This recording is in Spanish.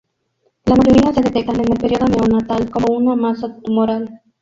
La mayoría se detectan en el período neonatal como una masa tumoral.